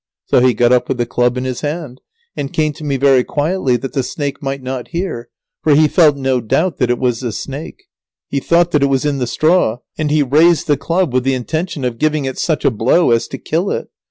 So he got up with the club in his hand, and came to me very quietly that the snake might not hear, for he felt no doubt that it was the snake. He thought that it was in the straw, and he raised the club with the intention of giving it such a blow as to kill it.